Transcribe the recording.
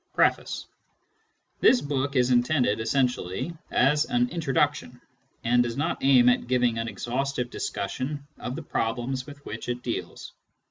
PREFACE This book is intended essentially as an " Introduction," and does not aim at giving an exhaustive discussion of the problems with which it deals.